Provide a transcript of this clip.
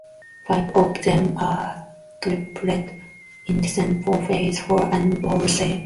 Five of them are: "triplet", "indecent", "four-face-four", and "whole-set".